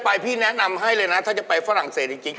ไปพี่แนะนำให้เลยนะถ้าจะไปฝรั่งเศสจริง